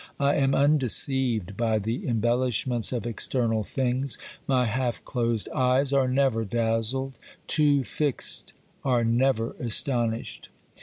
I am undeceived by the embellishments of external things ; my half closed eyes are never dazzled; too fixed, are never astonished.